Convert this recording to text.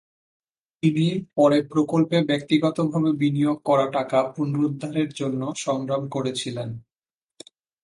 তিনি পরে প্রকল্পে ব্যক্তিগতভাবে বিনিয়োগ করা টাকা পুনরুদ্ধারের জন্য সংগ্রাম করেছিলেন।